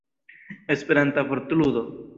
Esperanta vortludo.